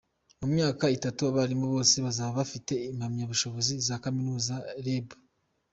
Mu myaka itanu abarimu bose bazaba bafite impamyabushobozi za kaminuza rebu